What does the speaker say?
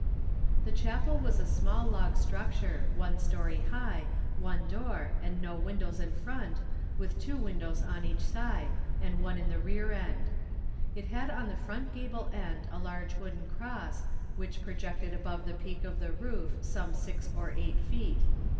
The chapel was a small log structure one story high, one door, and no windows in front, with two windows on each side, and one in the rear end. It had on the front gable end a large wooden cross, which projected above the peak of the roof some six or eight feet.